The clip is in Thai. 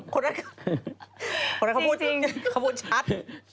คนหน้าเขาพูดจริงขบวนชัด